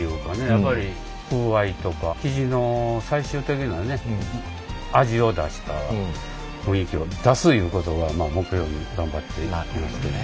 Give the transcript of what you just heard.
やっぱり風合いとか生地の最終的なね味を出した雰囲気を出すいうことを目標に頑張っていますけど。